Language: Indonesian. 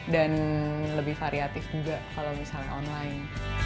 dan lebih variatif juga kalau misalnya online